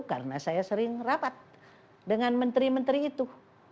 karena saya sering rapat dengan menteri menteri itu